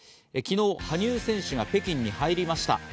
昨日、羽生選手が北京に入りました。